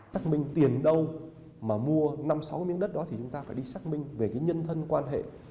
xác minh tiền đâu mà mua năm sáu miếng đất đó thì chúng ta phải đi xác minh về cái nhân thân quan hệ